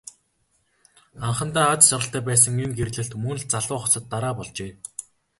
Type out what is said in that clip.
Анхандаа аз жаргалтай байсан энэ гэрлэлт мөн л залуу хосод дараа болжээ.